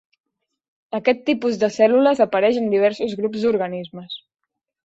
Aquest tipus de cèl·lules apareix en diversos grups d'organismes.